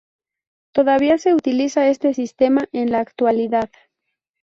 Todavía se utiliza este sistema en la actualidad.